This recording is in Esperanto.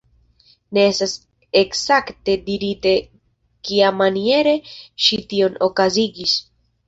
Ne estas ekzakte dirite kiamaniere ŝi tion okazigis.